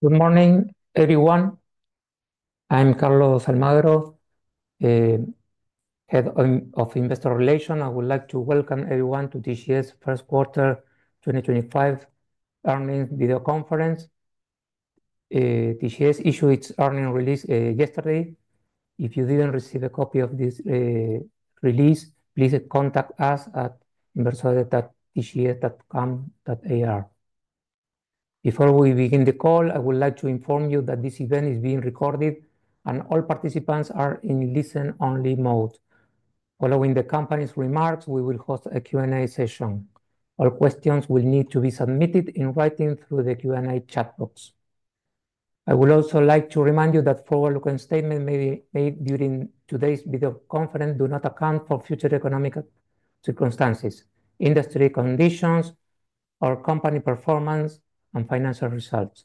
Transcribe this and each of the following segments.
Good morning, everyone. I'm Carlos Almagro, Head of Investor Relations. I would like to welcome everyone to Transportadora de Gas del Sur S.A. First Quarter 2025 earnings video conference. Transportadora de Gas del Sur S.A. issued its earnings release yesterday. If you didn't receive a copy of this release, please contact us at inversodata.dgs.com.ar. Before we begin the call, I would like to inform you that this event is being recorded and all participants are in listen-only mode. Following the company's remarks, we will host a Q&A session. All questions will need to be submitted in writing through the Q&A chat box. I would also like to remind you that forward-looking statements made during today's video conference do not account for future economic circumstances, industry conditions, or company performance and financial results.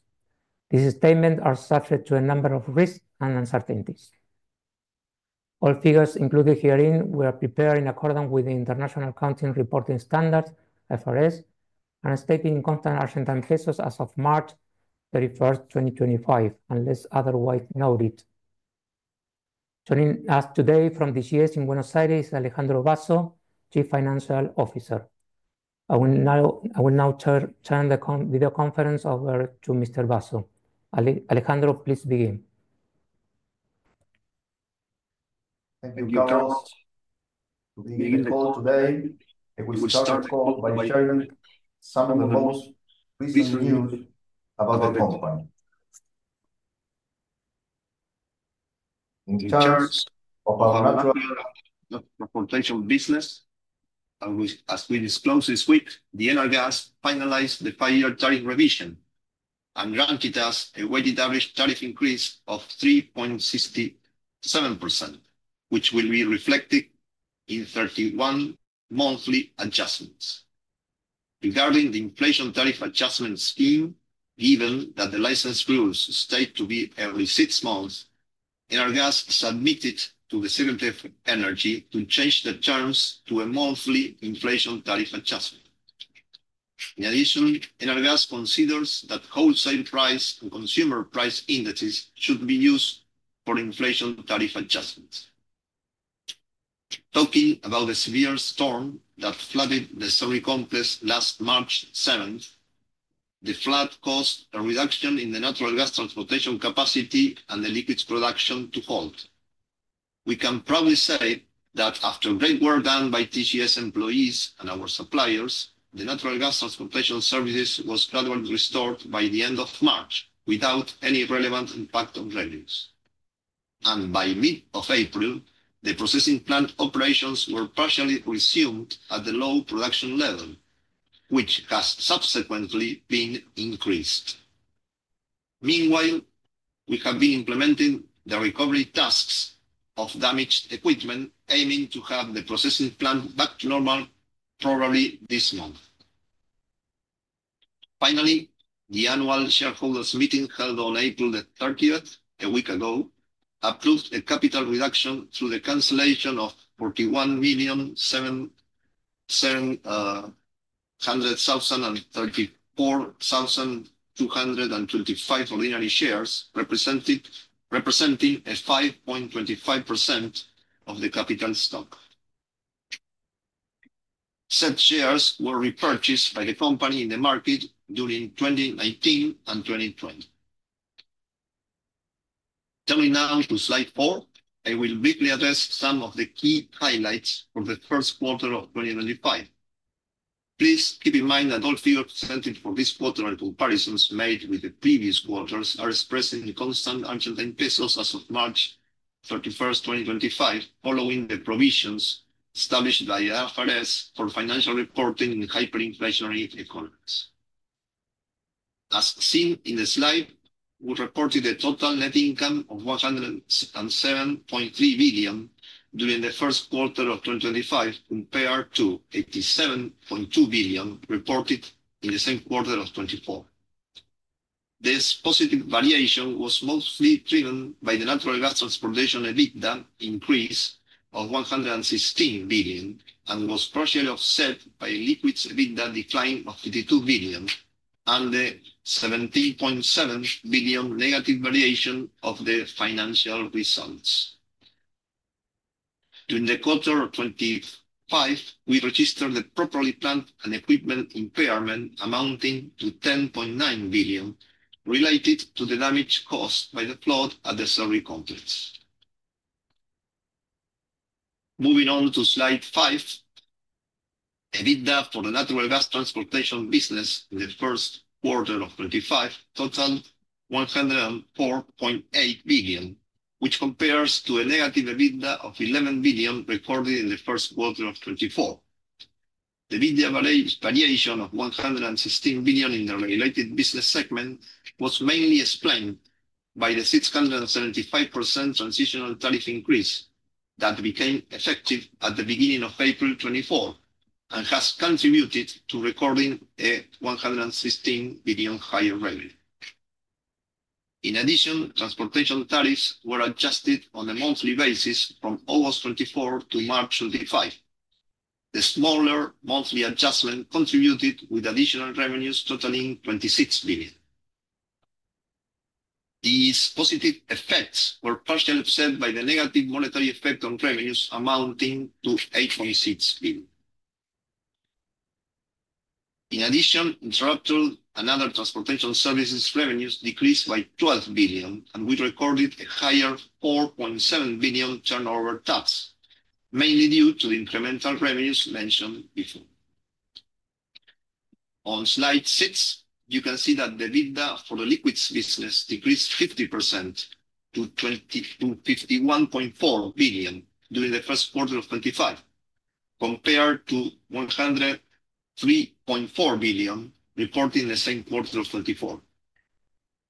These statements are subject to a number of risks and uncertainties. All figures included herein were prepared in accordance with the International Financial Reporting Standards (IFRS) and are stated in constant Argentine pesos as of March 31, 2025, unless otherwise noted. Joining us today from Transportadora de Gas del Sur S.A. in Buenos Aires is Alejandro Basso, Chief Financial Officer. I will now turn the video conference over to Mr. Basso. Alejandro, please begin. Thank you, Carlos. We'll begin the call today. We will start the call by sharing some of the most recent news about the company. In terms of our natural gas transportation business, as we disclosed this week, ENARGAS finalized the five-year tariff revision and granted us a weighted average tariff increase of 3.67%, which will be reflected in 31 monthly adjustments. Regarding the inflation tariff adjustment scheme, given that the license rules state to be every six months, ENARGAS submitted to the Secretaría de Energía to change the terms to a monthly inflation tariff adjustment. In addition, ENARGAS considers that wholesale price and consumer price indices should be used for inflation tariff adjustments. Talking about the severe storm that flooded the Complejo Cerri last March 7, the flood caused a reduction in the natural gas transportation capacity and the liquids production to halt. We can proudly say that after great work done by TGS employees and our suppliers, the natural gas transportation services were gradually restored by the end of March without any relevant impact on revenues. By mid-April, the processing plant operations were partially resumed at the low production level, which has subsequently been increased. Meanwhile, we have been implementing the recovery tasks of damaged equipment, aiming to have the processing plant back to normal probably this month. Finally, the annual shareholders' meeting held on April 30, a week ago, approved a capital reduction through the cancellation of 41,700,000 and 34,225 ordinary shares, representing 5.25% of the capital stock. Said shares were repurchased by the company in the market during 2019 and 2020. Turning now to slide four, I will briefly address some of the key highlights for the first quarter of 2025. Please keep in mind that all figures presented for this quarter and comparisons made with the previous quarters are expressed in constant Argentine pesos as of March 31, 2025, following the provisions established by the IFRS for financial reporting in hyperinflationary economies. As seen in the slide, we reported a total net income of 107.3 billion during the first quarter of 2025 compared to 87.2 billion reported in the same quarter of 2024. This positive variation was mostly driven by the natural gas transportation EBITDA increase of 116 billion and was partially offset by liquids EBITDA decline of 52 billion and the 17.7 billion negative variation of the financial results. During the quarter of 2025, we registered the property, plant, and equipment impairment amounting to 10.9 billion, related to the damage caused by the flood at the Complejo Cerri. Moving on to slide five, EBITDA for the natural gas transportation business in the first quarter of 2025 totaled 104.8 billion, which compares to a negative EBITDA of 11 billion recorded in the first quarter of 2024. The EBITDA variation of 116 billion in the regulated business segment was mainly explained by the 675% transitional tariff increase that became effective at the beginning of April 2024 and has contributed to recording a 116 billion higher revenue. In addition, transportation tariffs were adjusted on a monthly basis from August 2024 to March 2025. The smaller monthly adjustment contributed with additional revenues totaling 26 billion. These positive effects were partially offset by the negative monetary effect on revenues amounting to 8.6 billion. In addition, interrupted and other transportation services revenues decreased by 12 billion, and we recorded a higher 4.7 billion turnover tax, mainly due to the incremental revenues mentioned before. On slide six, you can see that the EBITDA for the liquids business decreased 50% to 21.4 billion during the first quarter of 2025, compared to 103.4 billion reported in the same quarter of 2024.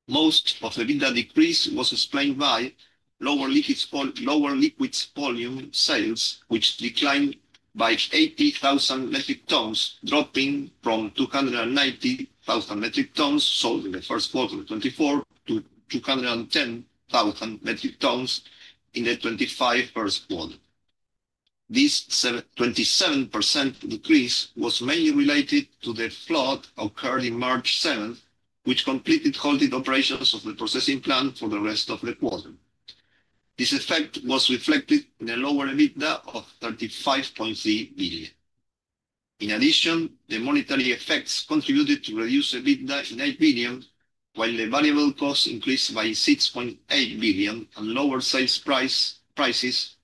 Most of the EBITDA decrease was explained by lower liquids volume sales, which declined by 80,000 metric tons, dropping from 290,000 metric tons sold in the first quarter of 2024 to 210,000 metric tons in the 2025 first quarter. This 27% decrease was mainly related to the flood occurred on March 7th, which completely halted operations of the processing plant for the rest of the quarter. This effect was reflected in a lower EBITDA of 35.3 billion. In addition, the monetary effects contributed to reduce EBITDA in 8 billion, while the variable costs increased by 6.8 billion and lower sales prices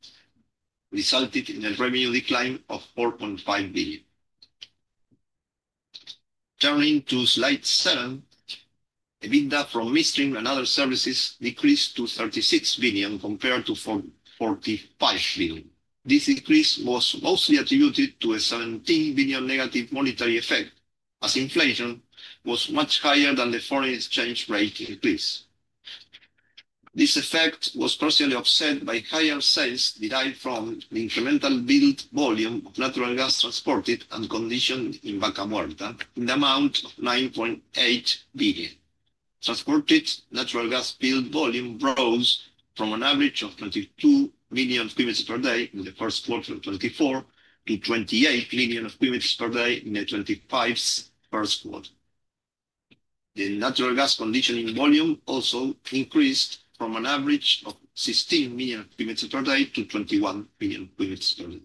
resulted in a revenue decline of 4.5 billion. Turning to slide seven, EBITDA from midstream and other services decreased to 36 billion compared to 45 billion. This decrease was mostly attributed to a 17 billion negative monetary effect, as inflation was much higher than the foreign exchange rate increase. This effect was partially offset by higher sales derived from the incremental build volume of natural gas transported and conditioned in Vaca Muerta in the amount of 9.8 billion. Transported natural gas build volume rose from an average of 22 million cubic meters per day in the first quarter of 2024 to 28 million cubic meters per day in the 2025 first quarter. The natural gas conditioning volume also increased from an average of 16 million cubic meters per day to 21 million cubic meters per day.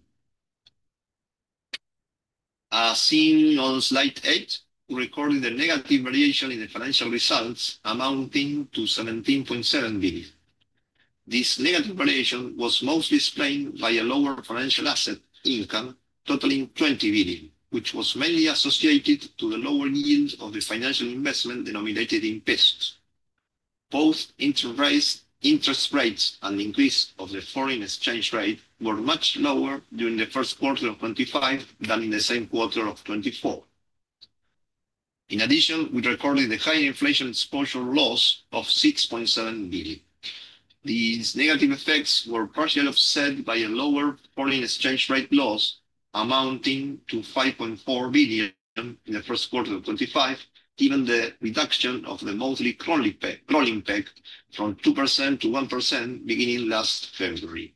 As seen on slide eight, we recorded a negative variation in the financial results amounting to 17.7 billion. This negative variation was mostly explained by a lower financial asset income totaling 20 billion, which was mainly associated with the lower yield of the financial investment denominated in pesos. Both interest rates and increase of the foreign exchange rate were much lower during the first quarter of 2025 than in the same quarter of 2024. In addition, we recorded the high inflation exposure loss of 6.7 billion. These negative effects were partially offset by a lower foreign exchange rate loss amounting to 5.4 billion in the first quarter of 2025, given the reduction of the monthly crawling peg from 2% to 1% beginning last February.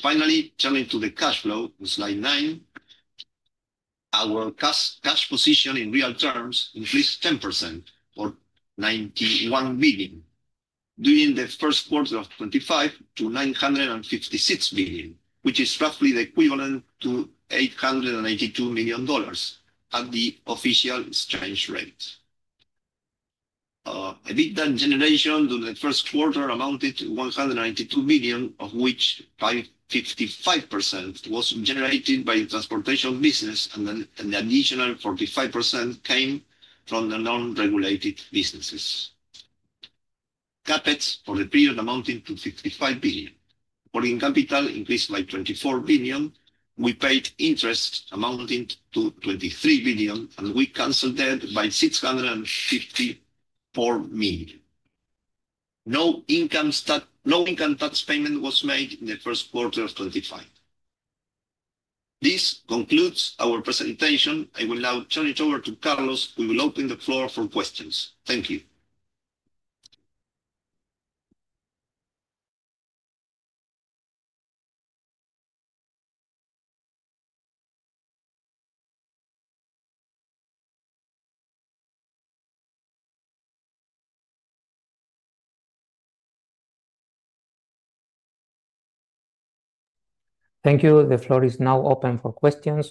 Finally, turning to the cash flow in slide nine, our cash position in real terms increased 10% or 91 billion during the first quarter of 2025 to 956 billion, which is roughly the equivalent to $882 million at the official exchange rate. EBITDA generation during the first quarter amounted to 192 billion, of which 55% was generated by the transportation business, and the additional 45% came from the non-regulated businesses. Capex for the period amounted to 55 billion. Working capital increased by 24 billion. We paid interest amounting to 23 billion, and we canceled debt by 654 million. No income tax payment was made in the first quarter of 2025. This concludes our presentation. I will now turn it over to Carlos, who will open the floor for questions. Thank you. Thank you. The floor is now open for questions.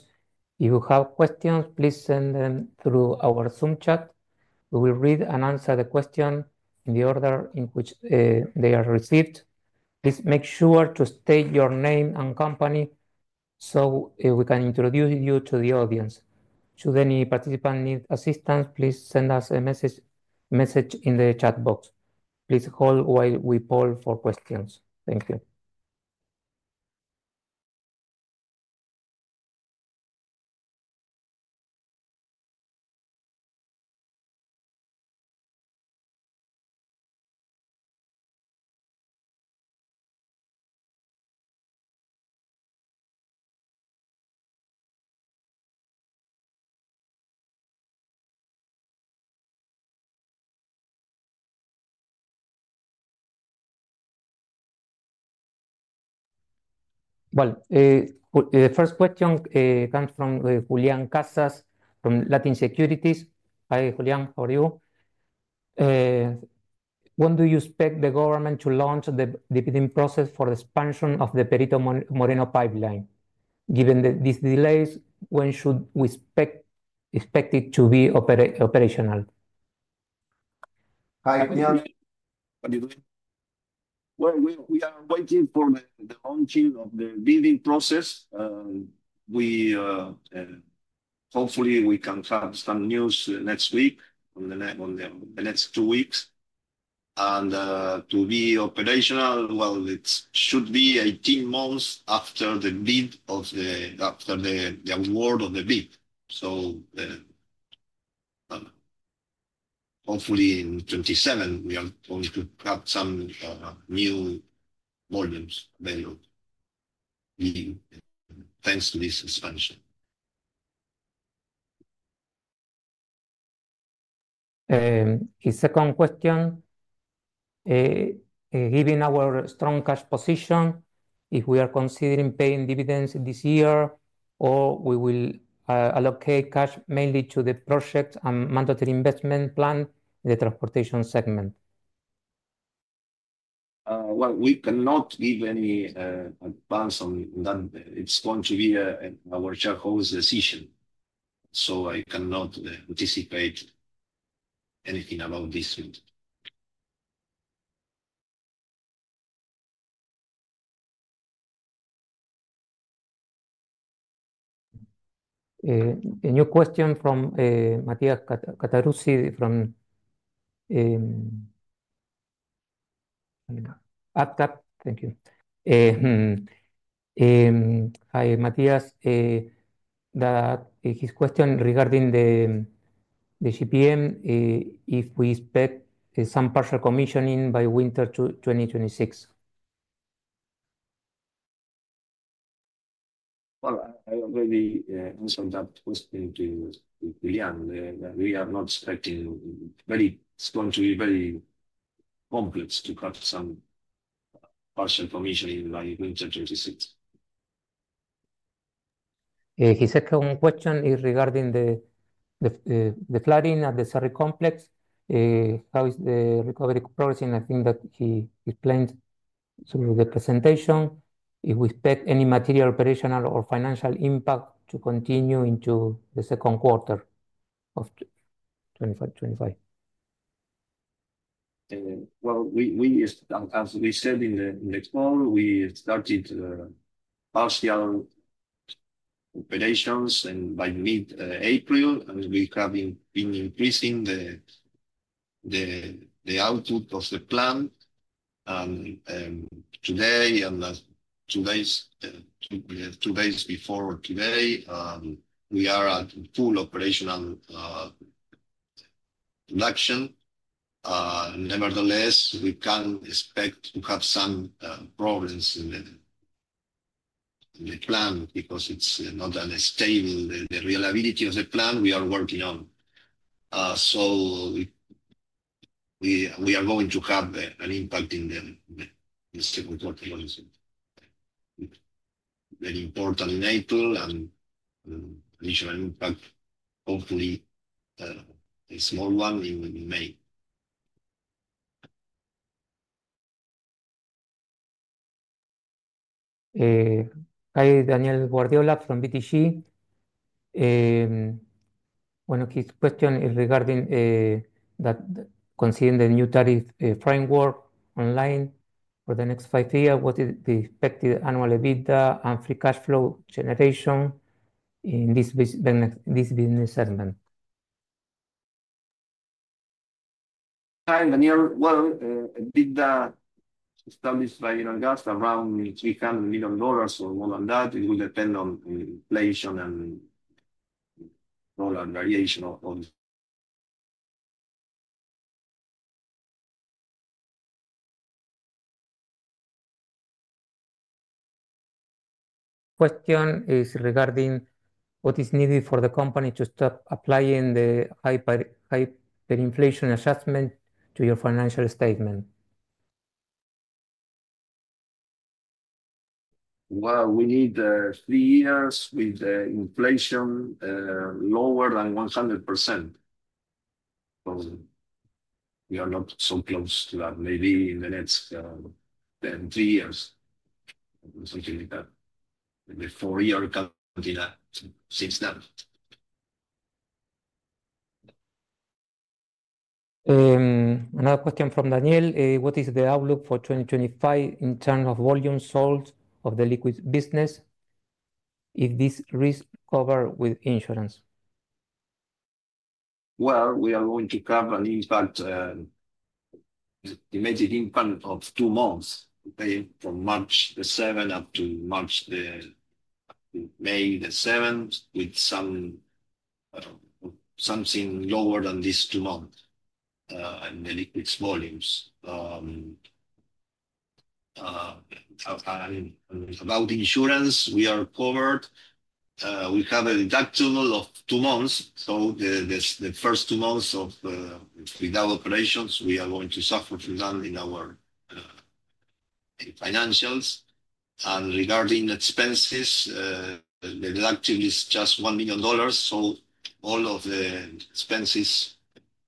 If you have questions, please send them through our Zoom chat. We will read and answer the question in the order in which they are received. Please make sure to state your name and company so we can introduce you to the audience. Should any participant need assistance, please send us a message in the chat box. Please hold while we poll for questions. Thank you. The first question comes from Julián Casas from Latin Securities. Hi, Julián, how are you? When do you expect the government to launch the bidding process for the expansion of the Perito Moreno pipeline? Given these delays, when should we expect it to be operational? Hi, Julián. How are you doing? We are waiting for the launching of the bidding process. Hopefully, we can have some news next week or in the next two weeks. To be operational, it should be 18 months after the award of the bid. Hopefully in 2027, we are going to have some new volumes available thanks to this expansion. His second question, given our strong cash position, if we are considering paying dividends this year or we will allocate cash mainly to the project and mandatory investment plan in the transportation segment? We cannot give any advance on that. It's going to be our shareholders' decision. So I cannot anticipate anything about this one. A new question from Matías Cattaruzzi from ATCAP. Thank you. Hi, Matías. His question regarding the GPM, if we expect some partial commissioning by winter 2026. I already answered that question to Julián. We are not expecting, it's going to be very complex to cut some partial commissioning by winter 2026. His second question is regarding the flooding at the Cerri complex. How is the recovery progressing? I think that he explained through the presentation. If we expect any material operational or financial impact to continue into the second quarter of 2025. We said in the call, we started partial operations by mid-April, and we have been increasing the output of the plant. Today, and two days before today, we are at full operational production. Nevertheless, we can expect to have some problems in the plant because it is not stable. The reliability of the plant we are working on. We are going to have an impact in the second quarter of 2025. Very important in April and additional impact, hopefully a small one in May. Hi, Daniel Guardiola from BTG. His question is regarding considering the new tariff framework online for the next five years, what is the expected annual EBITDA and free cash flow generation in this business segment? Hi, Daniel. EBITDA established by Gas around $300 million or more than that. It will depend on inflation and variation of. Question is regarding what is needed for the company to stop applying the hyperinflation adjustment to your financial statement. We need three years with inflation lower than 100%. We are not so close to that. Maybe in the next three years, something like that. The four-year calculator seems that. Another question from Daniel. What is the outlook for 2025 in terms of volume sold of the liquids business? Is this risk covered with insurance? We are going to have an impact, an immediate impact of two months from March 7 up to May 7 with something lower than these two months in the liquids volumes. About insurance, we are covered. We have a deductible of two months. The first two months without operations, we are going to suffer from that in our financials. Regarding expenses, the deductible is just $1 million. All of the expenses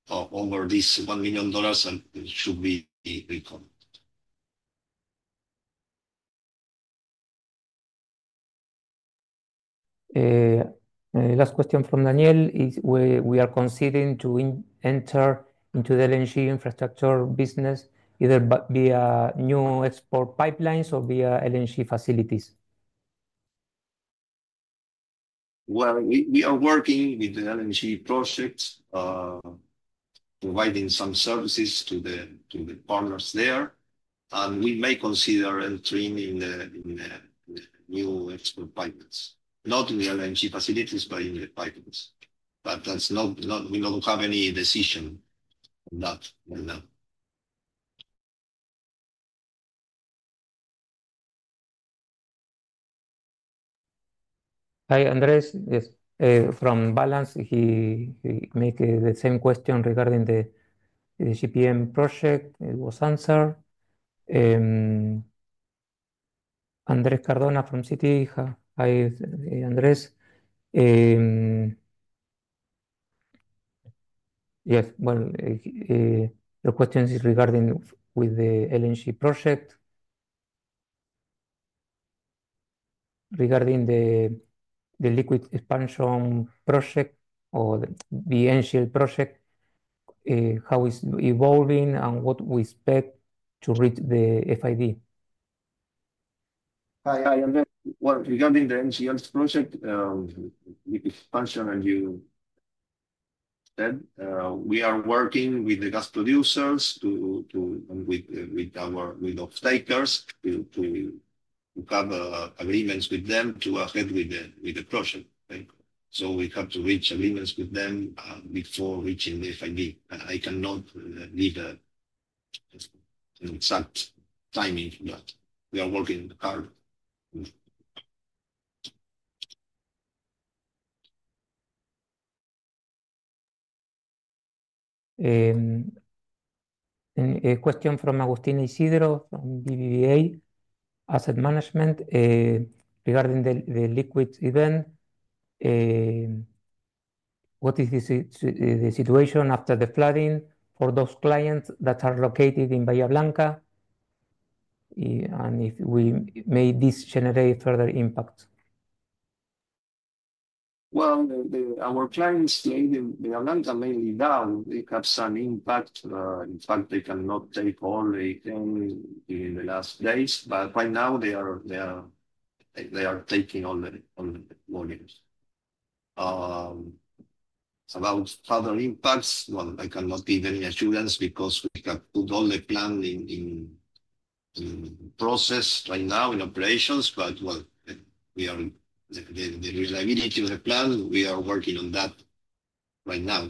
over this $1 million should be recovered. Last question from Daniel. We are considering to enter into the LNG infrastructure business either via new export pipelines or via LNG facilities. We are working with the LNG projects, providing some services to the partners there. We may consider entering in the new export pipelines, not in the LNG facilities, but in the pipelines. We do not have any decision on that right now. Hi, Andrés. From Balance, he made the same question regarding the GPM project. It was answered. Andrés Cardona from Citi. Hi, Andrés. Yes. Your question is regarding the LNG project. Regarding the liquid expansion project or the NGL project, how is it evolving and what we expect to reach the FID? Hi, Andrés. Regarding the NGL project, the expansion, as you said, we are working with the gas producers and with our stakeholders to have agreements with them to go ahead with the project. We have to reach agreements with them before reaching the FID. I cannot give an exact timing, but we are working hard. A question from Agustin Isidro from BBVA Asset Management regarding the liquids event. What is the situation after the flooding for those clients that are located in Bahía Blanca? If we may, does this generate further impact? Our clients in Bahía Blanca mainly now, it has an impact. In fact, they cannot take all the income in the last days. Right now, they are taking all the volumes. About other impacts, I cannot give any assurance because we have put all the plan in process right now in operations. The reliability of the plan, we are working on that right now.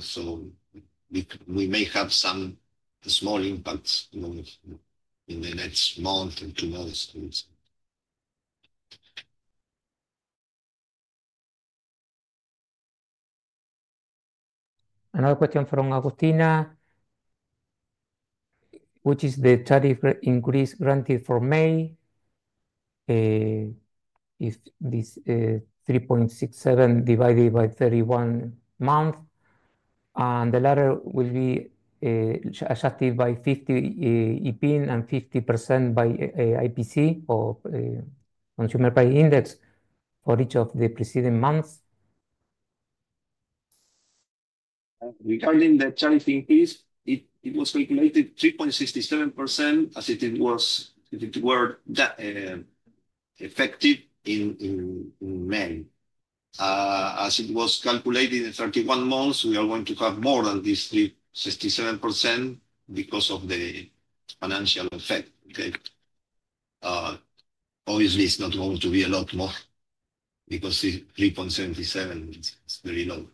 We may have some small impacts in the next month or two months. Another question from Agustin. Which is the tariff increase granted for May if this 3.67% divided by 31 months? The latter will be adjusted by 50% EPIN and 50% by IPC or Consumer Price Index for each of the preceding months. Regarding the tariff increase, it was calculated 3.67% as it were effective in May. As it was calculated in 31 months, we are going to have more than this 3.67% because of the financial effect. Obviously, it's not going to be a lot more because 3.67% is very low.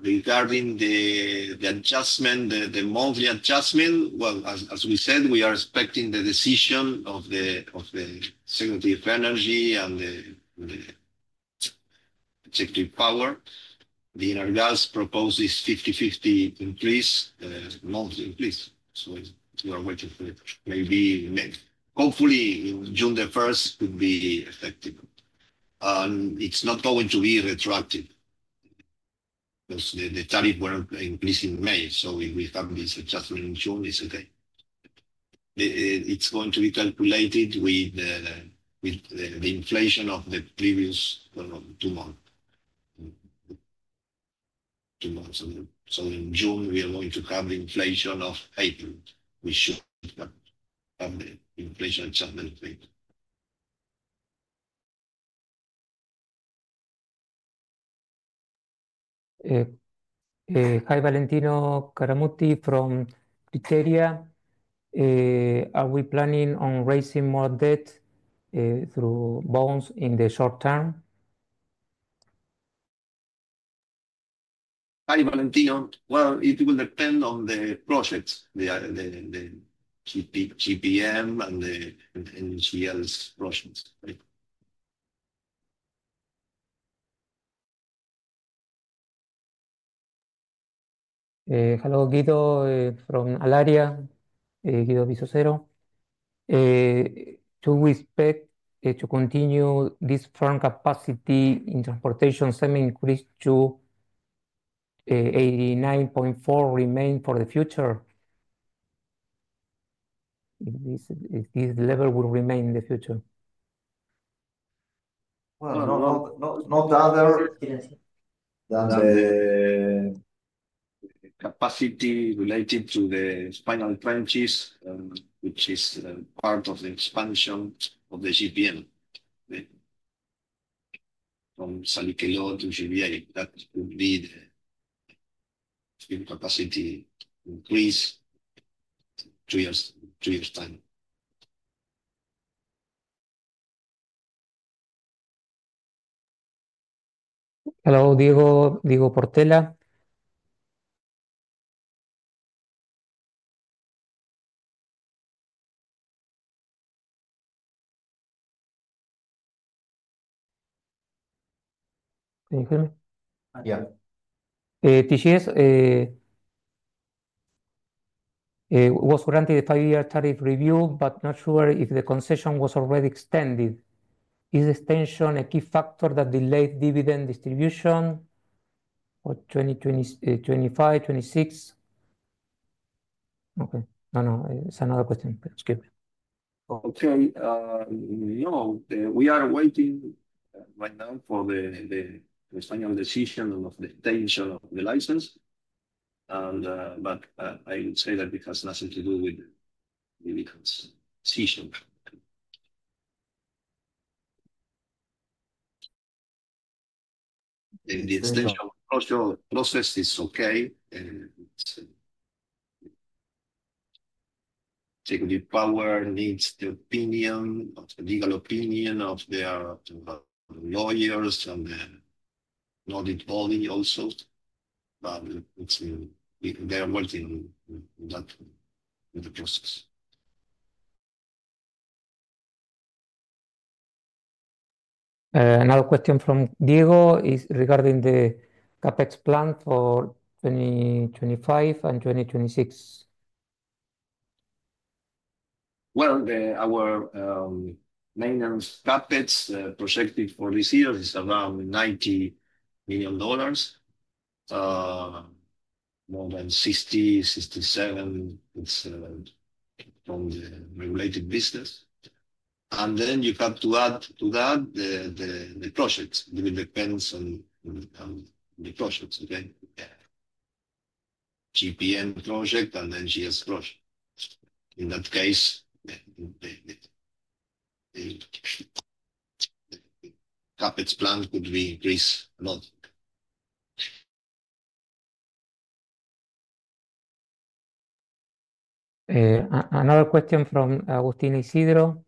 Regarding the adjustment, the monthly adjustment, as we said, we are expecting the decision of the Secretary of Energy and the Secretary of Power. The energy gas proposed is 50/50 increase, monthly increase. We are waiting for it. Maybe May. Hopefully, June 1 could be effective. It's not going to be retroactive because the tariff were increasing in May. If we have this adjustment in June, it's okay. It's going to be calculated with the inflation of the previous two months. In June, we are going to have the inflation of April. We should have the inflation adjustment date. Hi, Valentino Caramutti from Criteria. Are we planning on raising more debt through bonds in the short term? Hi, Valentino. It will depend on the projects, the GPM and the NGL projects. Hello, Guido from Alaria. Guido Bizzozero. Do we expect to continue this firm capacity in transportation semi increase to 89.4 remain for the future? If this level will remain in the future. Not other than the capacity related to the spinal trenches, which is part of the expansion of the GPM from Salicrú to GBA. That would be the capacity increase in two years' time. Hello, Diogo Portela. TGS was granted the five-year tariff review, but not sure if the concession was already extended. Is extension a key factor that delayed dividend distribution for 2025, 2026? Okay. No, no. It's another question. Excuse me. Okay. No, we are waiting right now for the final decision of the extension of the license. I would say that it has nothing to do with the dividends decision. The extension process is okay. Secretaría de Energía needs the opinion, legal opinion of their lawyers and the audit body also. They are working on that process. Another question from Diogo is regarding the capex plan for 2025 and 2026. Our maintenance CapEx projected for this year is around $90 million. More than 60, 67 is from the regulated business. You have to add to that the projects. It will depend on the projects. GPM project and NGS project. In that case, the CapEx plan could be increased a lot. Another question from Agustín Isidro.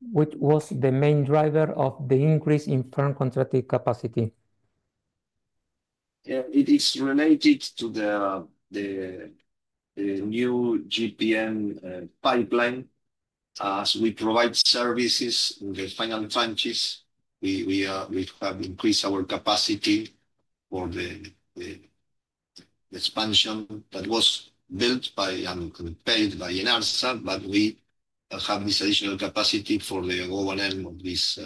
What was the main driver of the increase in firm contracted capacity? Yeah. It is related to the new GPM pipeline. As we provide services in the final trenches, we have increased our capacity for the expansion that was built and paid by ENARSA. We have this additional capacity for the overland of these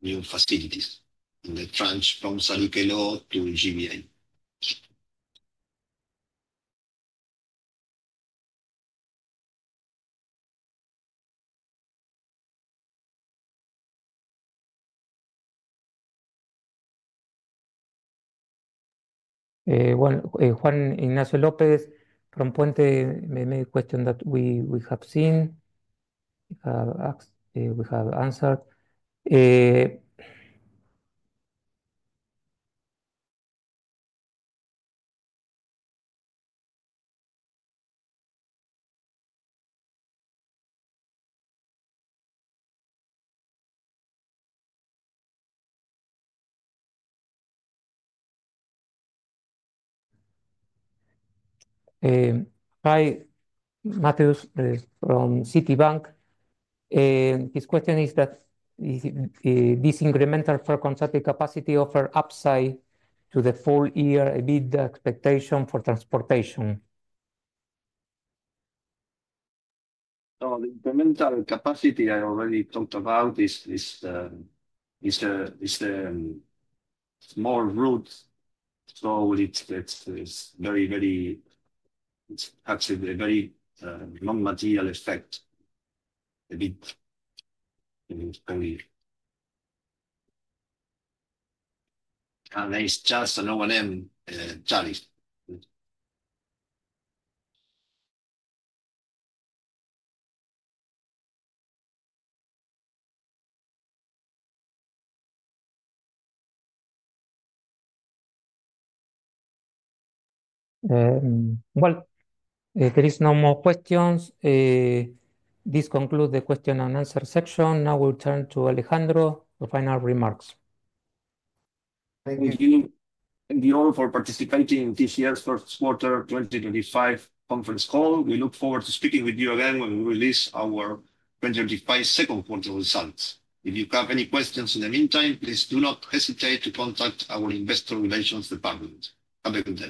new facilities in the trench from Salicrú to GBA. Juan Ignacio López from Puente, the main question that we have seen, we have answered. Hi, Matheus from Citibank. His question is that this incremental firm contracted capacity offers upside to the full year EBITDA expectation for transportation. The incremental capacity I already talked about is more route. So it's very, very, it has a very non-material effect, a bit. And it's just an overland tariff. There are no more questions. This concludes the question and answer section. Now we'll turn to Alejandro for final remarks. Thank you. You all for participating in this year's first quarter 2025 conference call. We look forward to speaking with you again when we release our 2025 second quarter results. If you have any questions in the meantime, please do not hesitate to contact our investor relations department. Have a good day.